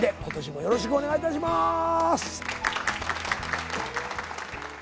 今年もよろしくお願いいたします。